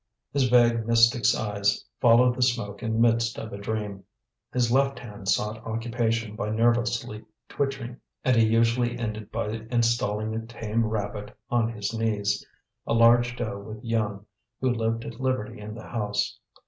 His vague mystic's eyes followed the smoke in the midst of a dream; his left hand sought occupation by nervously twitching; and he usually ended by installing a tame rabbit on his knees, a large doe with young, who lived at liberty in the house.